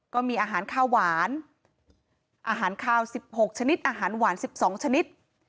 ก็มีอาหารข้าวหวานอาหารคาว๑๖ชนิดอาหารหวาน๑๒ชนิด